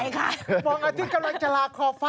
ดวงอาทิตย์กำลังจะหลากขอบฟ้า